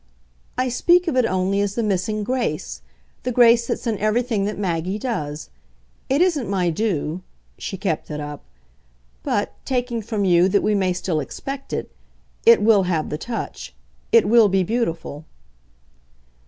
"I speak of it only as the missing GRACE the grace that's in everything that Maggie does. It isn't my due" she kept it up "but, taking from you that we may still expect it, it will have the touch. It will be beautiful."